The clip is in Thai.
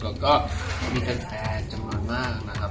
แล้วก็มีแทนแทนจำนวนมากครับ